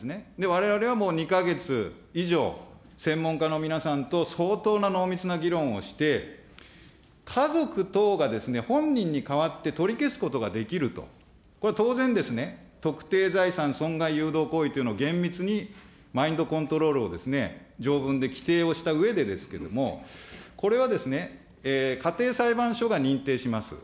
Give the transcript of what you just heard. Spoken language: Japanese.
われわれはもう２か月以上、専門家の皆さんと相当な濃密な議論をして、家族等が本人に代わって取り消すことができると、これは当然、特定財産損害誘導行為というのを厳密にマインドコントロールを条文で規定をしたうえでですけれども、これはですね、家庭裁判所が認定します。